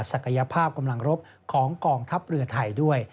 ศักยภาพกำลังรบของกองทัพเรือไทยด้วย